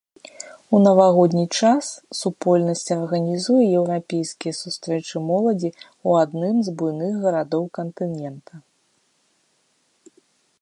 У навагодні час супольнасць арганізуе еўрапейскія сустрэчы моладзі ў адным з буйных гарадоў кантынента.